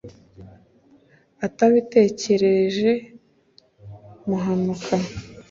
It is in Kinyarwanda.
atabitekerereje muhanuka